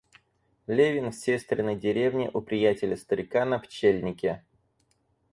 Левин в сестриной деревне у приятеля-старика на пчельнике.